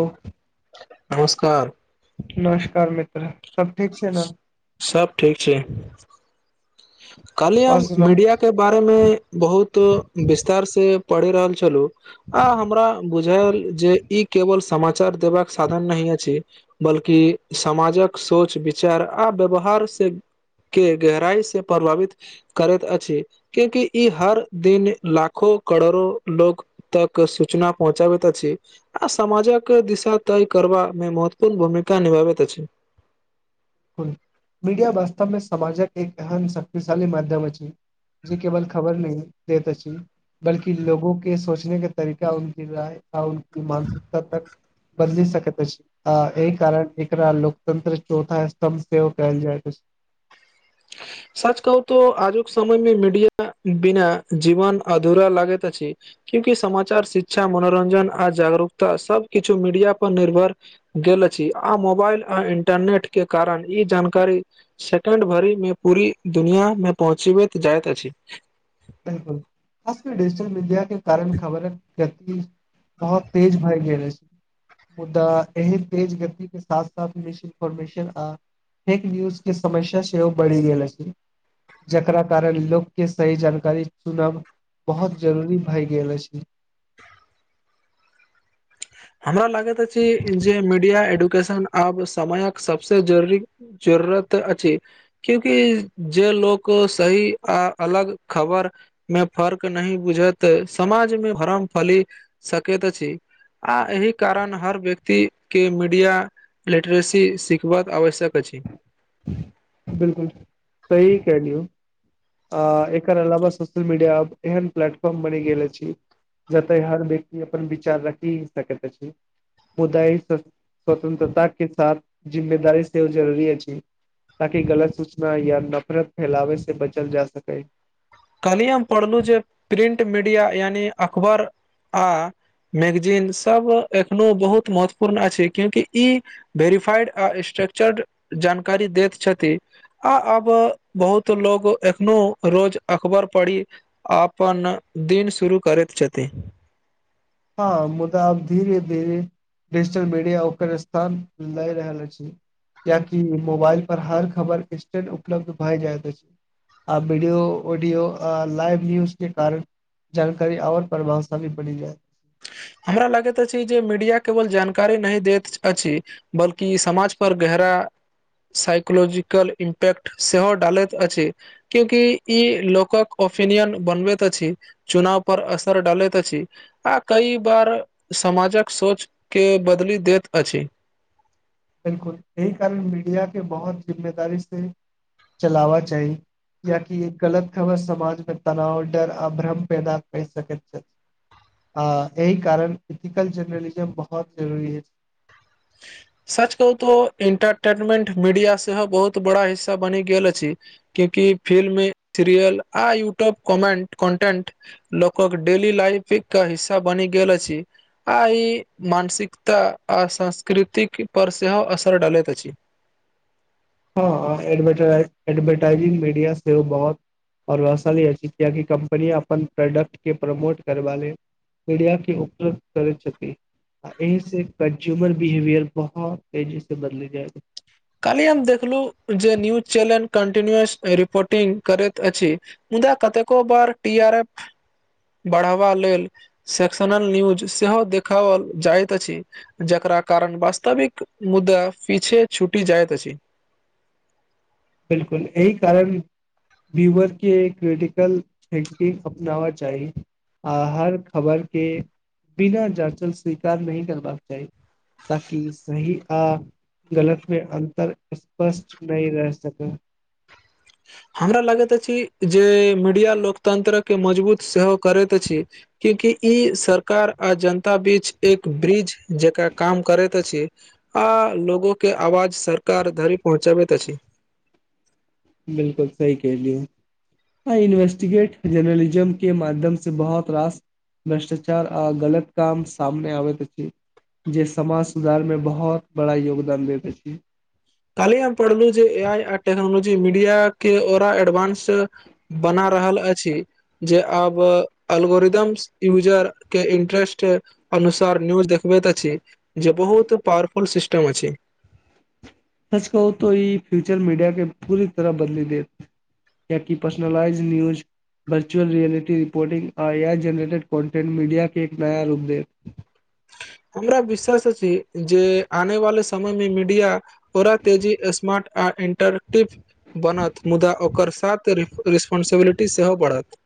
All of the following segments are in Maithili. ओ नमस्कार नमस्कार मित्र सब ठीक छै ने सब ठीक छै कालही आओर हम सुनाउ मीडिया के बारे मे बहुत विस्तार से पढ़ि रहल छलु आ हमरा बुझायल जे ई केवल समाचार देबाक साधन नहि अछि बल्कि समाजक सोच विचार आ व्यवहार से के गहराई से प्रभावित करैत अछि किया कि ई हर दिन लाखो करोड़ो लोको तक सूचना पहुँचाबैत अछि आ समामाजक दिशा तय कर मे महत्वपूर्ण भूमिका निभाबैत अछि मीडिया वास्तव मे समाजक एक एहम शक्तिशाली माध्यम अछि जेी केवल खबर नहि देैत छी बल्कि लोगो के सोचने के तरीका उनकी राय आ मानसिकता तक बदलि सकैत अछि एहि कारण एकरा लोकतंत्र चौथा सम सेहो ओ कहल जायत अछि ह [inaudible] सच कहू तो आजुक समय मे मीडिया बिना जीवन अधूरा लागैत अछि क्यूंकि समाचार शिक्षा मनोरंजन आ जागरूकता सब किछु मीडिया पर निर्भर गेल अछि आ मोबाइल आ इंटरनेट के कारण ई जानकारी सेकें्ड भरि मे पूरी दुनिया मे पहुँचीब जायइत अछि बिलकुल खास कर डिजिटल मीडिया के कारण खबर गति बहुत तेज भाय गेल रह छै मुदा एहन तेज गति के साथ साथ मिस इन्फोर्मेशन आ फेक व्यूज के समस्या सेहो बढ़ि गेल छै जकरा कारण लोक के सही जानकार कारी चुनब बहुत जरूरी भए गेल अछि हमरा लागैत अछि जे मीडिया एडुकेशन आब समयक सबसे जरुररी जरूरत अछि क्यूंकि जे लोक सही आ अलग खबर मे फर्क नहि बुझत समाज मे भरम फली सकैत अछि आ एहि कारण हर व्यक्ति के मीडिया लिटरेसी शिखबाक आवश्यक अछि बिलकुल सही कहलियौ आ एकर अलावा सोशल मीडिया एहन प्लेटफॉर्म बनि गेल अछि जते हर व्यक्ति अपन विचार रखि सकैत अछि मुदाइ स्वतंत्रता के साथ जिम्मेदारी सेहो जरूरी अछि ताकि गलत सूचना या नफरत फैलाबै से बचल जा सकै कहल्हि हम पढ़लहुँ जे प्रिंट मीडिया यानि अखबार आ मैगजीन सब एखनो बहुत महत्वपूर्ण अछि क्यूंकि ई वेरिफाइड आ स्ट्रक्चर्ड जानकारी दैत छथि आ आब बहुत लोग एखनो रोज अकबर पढ़ी अपनन दिन शुरू करैत छथि हँ मुदाऽब धीरे धीरे डिजिटल मीडिया ओकर स्थान लय रहल अछि किया की मोबाइल पर हर खबर इस्टेट उपलब्ध भए जायत अछि आ वीडियो ऑडियो लाइव न्यूज के कारण जानकारी आओर प्रभावशाली पड़ी जाय हमरा लगैत अछि जे मीडिया केवल जानकारी नहि देत अछि बल्कि समाज पर गहरा साइकोलॉजिकल इम्पैक्ट सेहो डालैत अछि क्योंकि ई लोकक ओपिनियन बनबै तऽ अछि चुनाव पर असर डालैतैत अछि आ कई पर समाजक सोच के बदली दैत अछि बिलकुल यही कारण मीडिया के बहुत जिम्मेदारी से चलावा चाही याकि एक गलत खबर समाज मे तनाव डर आ भ्रम पैदा कर सकैत छै एहि कारण एथिकल जर्नलिजम बहुत जरूरी अछि [inaudible] सच कहू तो एंटरटेनमेंट मीडिया सेहो बहुत बड़ा हिस्सा बनि गेल अछि किया कि फिल्म सीरियल आ यूट्यूब कोमेंट कॉन्टेंट लोकक डेली लाफ एक हिस्सा बनि गेल छै आ ई मानसिकता आ संस्कृतिक पर सेहो असर डालैत अछि हँ एडवरटाइजिंग मीडिया सेहो बहुत आओर असल छै कियाकि कम्पनी अपन प्रोडक्ट के प्रमोट करबा लेल मीडिया के उपलब्ध करै छथि आ एहिह से कन्ज्यूमर बिहेवियर बहुत तेजी से बदली जाय कालही हम देखलु जे न्यूज चैनल कंटिन्यूअस रिपोर्टिंग करैत अछि मुदा कतेको बार टी आर एफ बढ़ावा लेल सेक्शनल न्यूज सेहो देखाओल जाइतइत अछि जकरा कारण वास्तविक मुद्दा पीछे छुटी जाइत अछि बिलकुल एहि कारण ब्यवरके एक क्रिटिकल ह अपनावा चाही आ हर खबर के बिना जाचल स्वीकार नहि करबाक चाही ताक सही आ गलत मे अन्तर स्पष्ट नहि रह सक ह [inaudible] हमरा लगैत अछि जे मीडिया लोकतंत्र के मजबूत सेहो करैत अछि क्यूंकि ई सरकार आ जनता बीच एक ब्रिज जेका काम करैत अछि आ लोगो के आवाज सरकार धरि पहुँचाबैत अछि बिलकुल सही कहलियौ इन्वेस्टिगेट जर्नलिज्म के माध्यम से बहुत रास भ्रष्टाचार आ गलत काम सामने आबैत अछि जे समाज सुधारमे बहुत बड़ा योगदान देैत अछि काली हम पढ़लू जे ए आई आ टेक्नोलॉजी मीडिया के ओरा एडवानंस बना रहल अछि जे आब अलगोरिदम यूजर के इंटरेस्ट अनुसार न्यूज देखबैत अछि जे बहुत पावरफुल सिस्टेम अछि सच कहू तो ई फ्यूचर मीडिया के पूरी तरह बदली देत किया कि personalise news virtual reality reporting आ आर जनरेटेड कॉन्टेन्ट मीडिया के एक नय रूप देत हमरा विश्वास छी जे आने वाले समय मे मीडिया ओरा तेजी स्मार्ट आ इन्टरटिव बनत मुदा ओकरा साथे रिस्पान्सिबिलिटी सेहो बढ़त।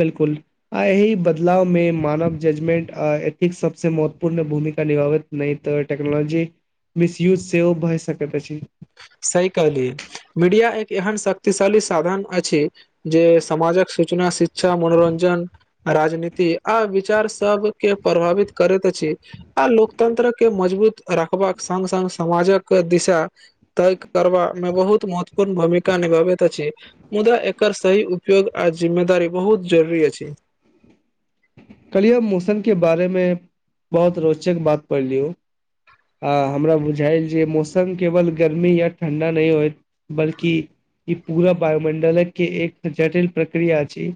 बिल्कूल आ बदलावमे मानव जजमेंट आ एथिक्स सभसँ महत्वपूर्ण भूमिका निभाबैत। नहि तऽ टेक्नोलॉजीक मिसयूज सेहो भऽ सकैत अछि। सही कहलियौ, मीडिया एक एहन शक्तिशाली साधन अछि। जे समाजक सूचना शिक्षा मनोरंजम राजनीति आ विचार सभके प्रभावित करैत अछि। आ लोकतन्त्रके मजबूत रखबाक संग-संग समाजक दिशा तय करबामे बहुत महत्वपूर्ण भूमिका निभाबैत अछि। मुदा एकर सही उपयोग आ जिम्मेदारी बहुत जरूरी अछि। कल्हि हम मौसमक बारेमे बहुत रोचक बात पढ़लहुँ। आ हमरा बुझायल जे मौसम केवल गर्मी या ठंडा नहि होइत। बल्कि ई पूरा वायुमंडल के एक जटिल प्रक्रिया छै।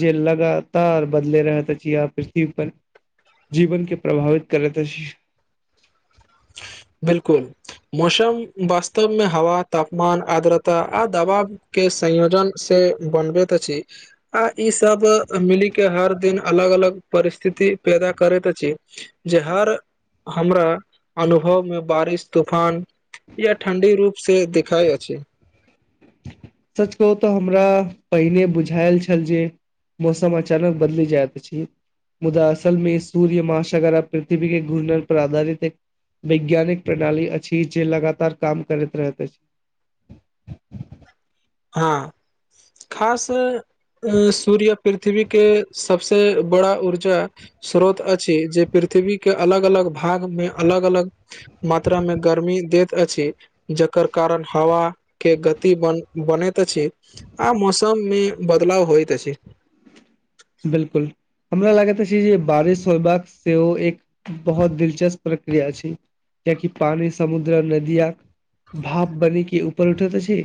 जे लगातार बदले रहें त आ पृथ्वी पर जीवन के प्रभावित करत अछि। बिल्कूल मौसम वास्तव मे हवा तापमान आद्रता आ दबाव के संयोजनसँ बनबैत अछि आ ई सभ? मिलिकऽ हर दिन अलग अलग परिस्थिति पैदा करैत अछि। जे हर हमरा अनुभव में बारिश तूफान या ठंडी रूप से देखिाई अछि सच कहू तऽ हमरा पहिने बुझायल छल जे मौसम अचानक बदली जाय तऽ चए मुदा असलमे सूर्य महाशागर आ पृथ्वी के घूर्णण पर आधारित एक। वैज्ञानिक प्रणाली अछि। जे लगातार काम करैत रहैत अछि। [inaudible] हँ खास सूर्य पृथ्वी के सभसे बड़ा ऊर्जा स्रोत अछि। जे पृथ्वी के अलग अलग भाग मे अलग अलग मात्रा मे गर्मी दैत अछि। जकर कारण हवा के गति बन बनैत अछि। आ मौसम मे बदलाव होइत अछि। बिल्कुल हमरा लागैत अछि। जे बारिश होयबाक सेहो एक बहुत दिलचस्प प्रक्रिया छै। कियाकि पानी समुद्र नदियाक भाप बनी कऽ उपर उठैत अछि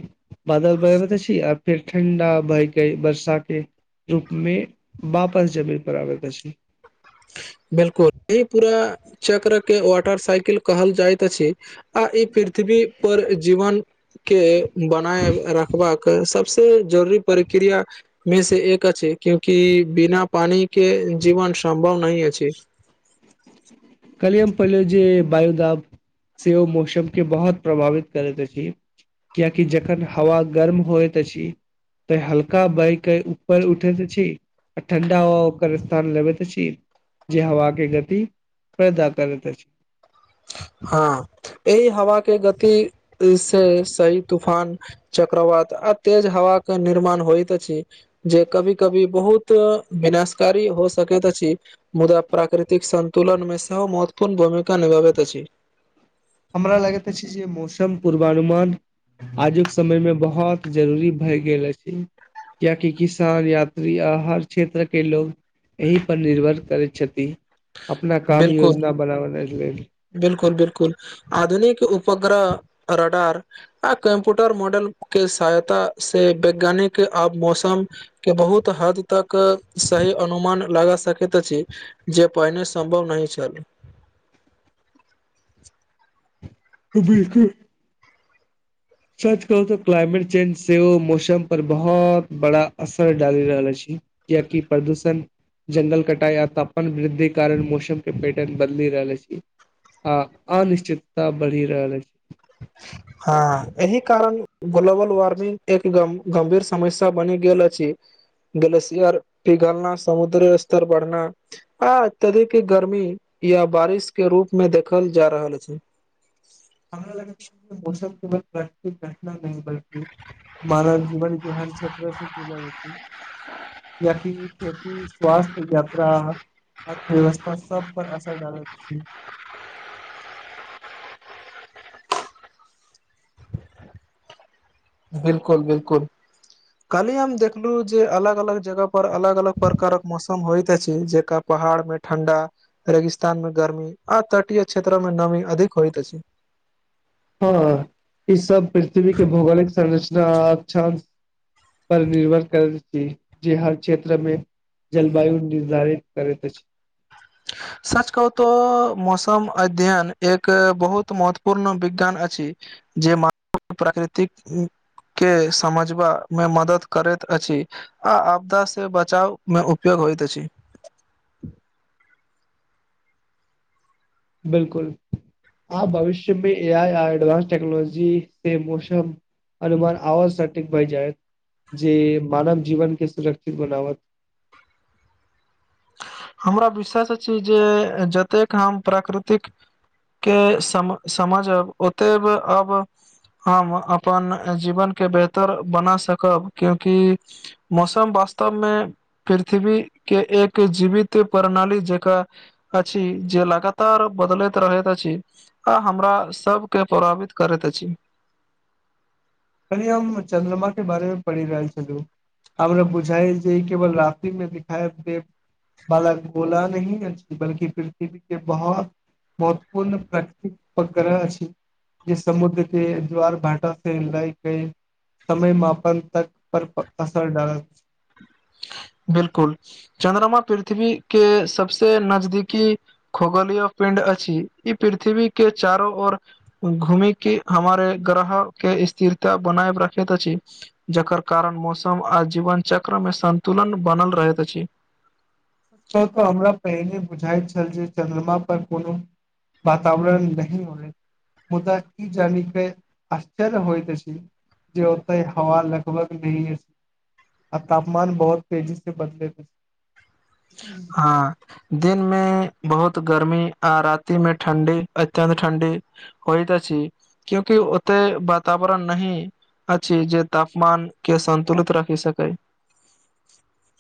बादल बनाबतऽ अछि। आ फेर ठण्डा भए के वर्षा के रूप मे वापस जमीन पर आबैत अछी। बिल्कुल यही पूरा चक्रके ऑर्डर साइकल कहल जाइत अछि आ ई पृथ्वी पर जीवन के बनाय रखबाक सभस जरूरी परिक्रिया। मे सँ एक अछि, किएक तँ बिना पानिके जीवन सम्भव नहि अछि। काल्हि हम पहिले जे बायो दाबलहुँ। से ओ मौसमके बहुत प्रभावित करैत अछि। कियाकी जखन हवा गर्म होइ त अछि। क हल्का बइह कई उपर उठे अछि। आ ठण्डा हवा ओकर स्थान लेबैत छी जे हवाक के गति पद करैत अछि हँ, एहि हवा के गति से सही तूफान। चक्रवत आ तेज हव निर्माण होइत त छै। जे कभी कभी बहुत विनाशकारी हो सकैत अछि। मुदा प्राकृतिक सतुलनमे स महत्वपूर्ण भूमिका निभाबैत अछि। हमरा लगैत अछि जे मौसम पूर्वानुमान आजुक समयमे बहुत जरूरी भए गेल अछि याकि किसान यात्री आहार क्षेत्र के लोग एहिनपर निर्भर करैत छथि अपना काम योजना बनाव लेल बिल्कुल बिल्कुल आधुनिक उपग्रह रडार आ कम्प्यूटर मॉडल के सहायता से वैज्ञानिक अब मौसम के बहुत हद तक सही अनुमान लगा सकैत अछि जे पहिने सम्भव नहि छलऽ तऽ बिलकुल सच कहु तऽ क्लाइमेट चेंज सेहो मौसम पर बहुत बड़ा असर डालि रहल अछि कियाकि प्रदूषण जंगल कटाई आ तापमान वृद्धि कारण मौसम के पेटर्न बदलि रहल अछि आ अनिश्चितता बढ़ि रहल अछि हँ एहि कारण ग्लोबल वार्मिंग एक ग गंभीर समस्या बनि गेल अछि ग्लेशियर पिघालना समुद्री स्तर बढ़ना आ अत्यधिक गर्मी या बारिश के रूप में देखल जा रहल छै हमरा लग मौसम केवल घटना नहि बल्कि मानव जीवन के हर क्षेत्र [unintelligible] याकि खेती स्वास्थ्य यात्रा अर्थव्यवस्था सब पर असर डालैत अछि बिलकुल बिलकुल कलऽ हि हम देखलु जे अलग अलग जगह पर अलग अलग प्रकारक मौसम होइत अछि जेक पहाड़ में ठंडा रेगिस्तान में गर्मी आ तटीय क्षेत्र में नमी अधिक होयइत अछि हँ ई सब पृथ्वी के भौगोलिक संरचना पर निर्भर करैत छी जे हर क्षेत्र मे जलवायु निर्धारित करैत अछि सच कहू तऽ मौसम अध्ययन एक बहुत महत्वपूर्ण विज्ञान अछि जे मान प्राकृतिक के समझबा मे मदद करैत अछि आ आपदा से बचाव मे उपयोग होइत अछि बिलकुल आ भविष्य में ए आइ आ एडवानंस टेक्नोलॉजी से मौसम अनुमान आवाज साटीक बहिजेत जे मानव जीवन के सुरक्षित बनाबत हमरा विश्वास अछि जे जतेक हम प्राकृतिक के सम समझ ओते अब हम अपन जीवन के बेहतर बना सकब क्यूंकि मौसम वास्तवमे पृथ्वी के एक के जीवित प्रणाली जेक अछि जे लगातार बदलैत रहैत अछि आ हमरा सबके प्रौरावित करैत अछि कलऽ हि हम चन्द्रमा के बारेमे पढ़ि रहल छलहु हमरा बुझाइ जे ई केवल रातिमे दिखाए दे बाल गोलाही अच्ी बल्ि पृथ्वी कऽ बहुत महत्वपूर्ण प्राकृतिक उग्रह अछि जे समुद्र के द्वार भाटा से लाइ के समय मापन तक पर असर डालल बिलकुल चन्द्रमा पृथ्वी के सबसे नजदीकी खगोलिय पिंड अछि ई पृथ्वी के चारो ओऔर घूमि के हमारे ग्रह के स्थिरता बनाय रखैत अछि जकर कारण मौसम आ जीवन चक्र मे संन्तुलन बनल रहैत अछि कहत हमरा पहिने बुझाइत छल जे चन्द्रमा पर कोनो वातावरण नहि होै मुदा ई जानि अछि आश्चर्य होइत अछि जे होत है हवा लगबा नी है आब तापमान बहुत तेजी से बदले हँ दिन मे बहुत गर्मी आ राति में ठण्डी अत्यन्त ठण्डी होइत अछि क्योकि ओते वातावरण नहि अछि जे तापमान के सन्तुलित राखी सकै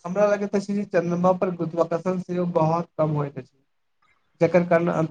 हमरा लगैत अछि जे चन्द्रमा पर गुत्वाकर्षण संग बहुत कम होइत अछि जकर कारण अंत